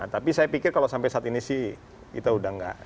tapi saya pikir kalau sampai saat ini sih itu sudah tidak